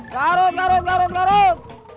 garut garut garut garut